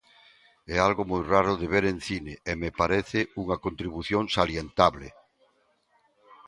É algo moi raro de ver en cine e me parece unha contribución salientable.